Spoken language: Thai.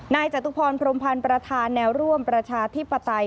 จตุพรพรมพันธ์ประธานแนวร่วมประชาธิปไตย